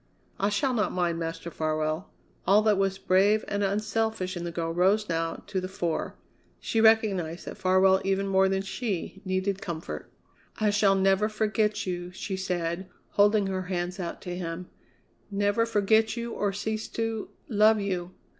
"I shall not mind, Master Farwell." All that was brave and unselfish in the girl rose now to the fore. She recognized that Farwell, even more than she, needed comfort. "I shall never forget you," she said, holding her hands out to him; "never forget you or cease to love you!"